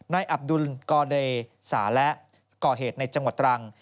อับดุลกอเดสาและก่อเหตุในจังหวัดตรัง